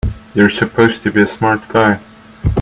You're supposed to be a smart guy!